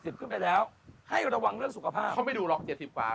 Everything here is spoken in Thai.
เจ็ดสิบขึ้นไปแล้วให้ระวังเรื่องสุขภาพเขาไม่ดูหรอกเจ็ดสิบกว่า